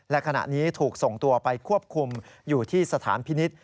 และขณะนี้ถูกส่งตัวไปควบคุมอยู่ที่สถานพินิษฐ์